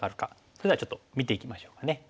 それではちょっと見ていきましょうかね。